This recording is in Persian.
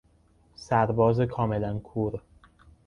سرباز کاملا کور